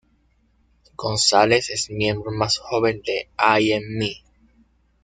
Gonzales es miembro más joven de I.am.me.